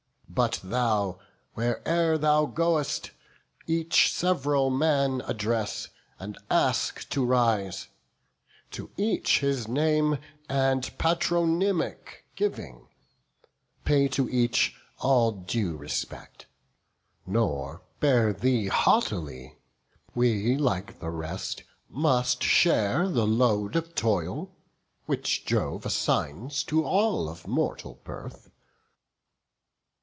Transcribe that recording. But thou, where'er thou go'st, each sev'ral man Address, and ask to rise; to each his name And patronymic giving; pay to each All due respect; nor bear thee haughtily; We like the rest must share the load of toil. Which Jove assigns to all of mortal birth."